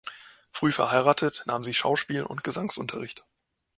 Früh verheiratet, nahm sie Schauspiel- und Gesangsunterricht.